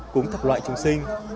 cúng thập loại chúng sinh